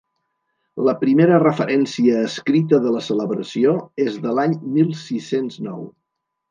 La primera referència escrita de la celebració és de l'any mil sis-cents nou.